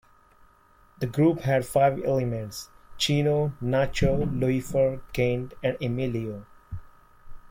The group had five elements: Chino, Nacho, Luifer, Kent and Emilio.